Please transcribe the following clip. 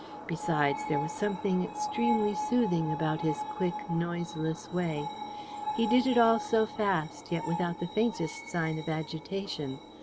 Besides, there was something extremely soothing about his quick, noiseless way. He did it all so fast, yet without the faintest sign of agitation.